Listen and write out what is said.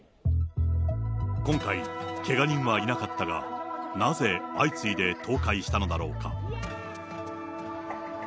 今回、けが人はいなかったが、なぜ相次いで倒壊したのだろうか。